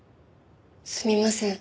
すみません。